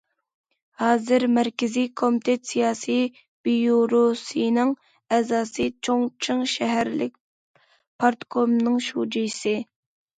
ھازىر مەركىزىي كومىتېت سىياسىي بىيۇروسىنىڭ ئەزاسى، چۇڭچىڭ شەھەرلىك پارتكومنىڭ شۇجىسى.